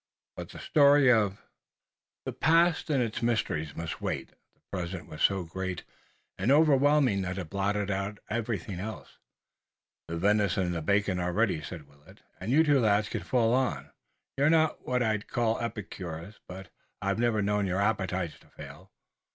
But the story of the past and its mysteries must wait. The present was so great and overwhelming that it blotted out everything else. "The venison and the bacon are ready," said Willet, "and you two lads can fall on. You're not what I'd call epicures, but I've never known your appetites to fail."